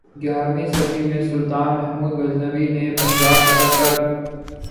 گیارہویں صدی میں سلطان محمود غزنوی نے پنجاب فتح کرک